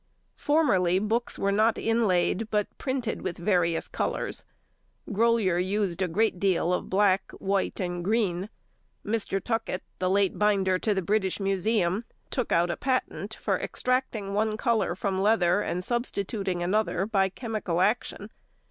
Formerly books were not inlaid, but painted with various colours. Grolier used a great deal of black, white, and green. Mr. Tuckett, the late binder to the British Museum, took out a patent for extracting one colour from leather and substituting another by chemical action.